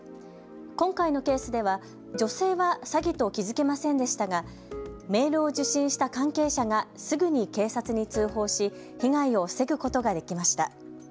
今回のケースでは女性は詐欺と気付きませんでしたがメールを受信した関係者がすぐに警察に通報し被害を防ぐことができました。